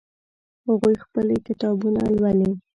هغوی خپلې کتابونه لولي